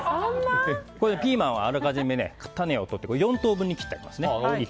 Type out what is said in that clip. ピーマンはあらかじめ種を取って４等分に切ってあります。